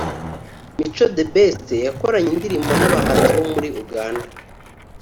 Mico The Best yakoranye indirimbo n'abahanzi bo muri Uganda